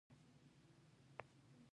نن د خپل قوم په سر ولاړ یم.